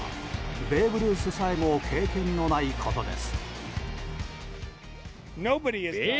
ベーブ・ルースさえも経験のないことです。